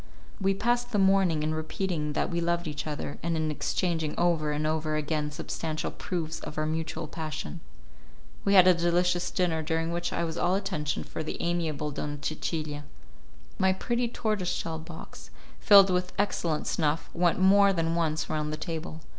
We passed the morning in repeating that we loved each other, and in exchanging over and over again substantial proofs of our mutual passion. We had a delicious dinner, during which I was all attention for the amiable Donna Cecilia. My pretty tortoise shell box, filled with excellent snuff, went more than once round the table.